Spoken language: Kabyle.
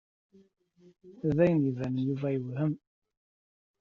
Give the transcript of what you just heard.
D ayen ibanen Yuba yewhem.